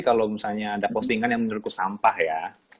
kalau misalnya ada postingan yang menurutku sampah ya